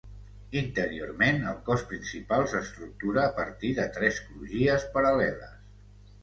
Interiorment el cos principal s'estructura a partir de tres crugies paral·leles.